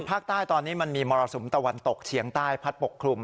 ภาคใต้ตอนนี้มันมีมรสุมตะวันตกเฉียงใต้พัดปกคลุม